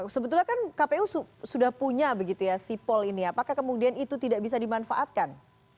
sebetulnya kan kpu sudah punya begitu ya sipol ini apakah kemudian itu tidak bisa dimanfaatkan